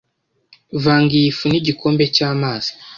Vanga iyi fu nigikombe cyamazi.